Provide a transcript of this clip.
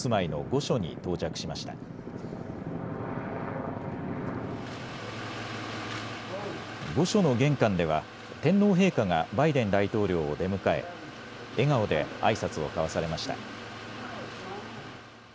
御所の玄関では天皇陛下がバイデン大統領を出迎え笑顔であいさつを交わされました。